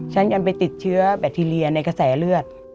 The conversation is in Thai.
ฉันยังไปติดเชื้อแบคทีเรียในกระแสเลือด